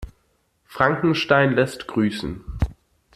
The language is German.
Frankenstein lässt grüßen!